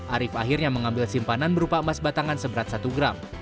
arief akhirnya mengambil simpanan berupa emas batangan seberat satu gram